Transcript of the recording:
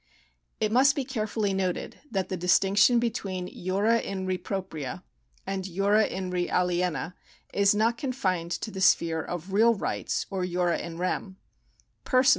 It must be carefully noted that the distinction between jura in re propria and j"wra in re aliena is not confined to the sphere of real rights or jura in rem.